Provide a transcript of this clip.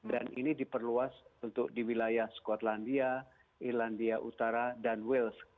dan ini diperluas untuk di wilayah skotlandia irlandia utara dan wales